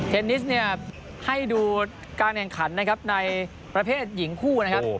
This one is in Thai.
เทนนิสให้ดูการแข่งขันในประเภทหญิงคู่นะครับ